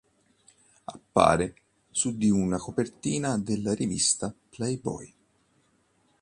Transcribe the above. Appare su di una copertina della rivista "Playboy".